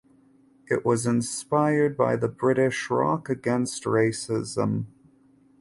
It was inspired by the British Rock Against Racism.